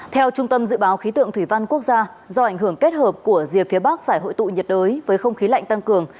theo trung tâm dự báo khí tượng thủy văn quốc gia do ảnh hưởng kết hợp của rìa phía bắc giải hội tụ nhiệt đới với không khí lạnh tăng cường